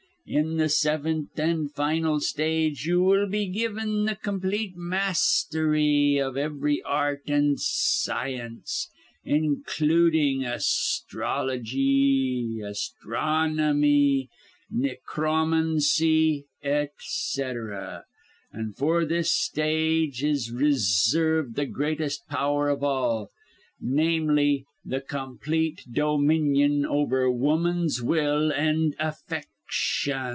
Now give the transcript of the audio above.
"In the seventh and final stage you will be given the complete mastery of every art and science including astrology, astronomy, necromancy, etc.; and for this stage is reserved the greatest power of all namely, the complete dominion over woman's will and affections.